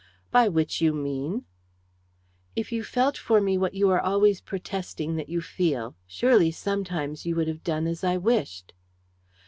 "By which you mean?" "If you felt for me what you are always protesting that you feel, surely sometimes you would have done as I wished."